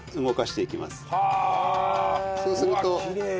そうすると。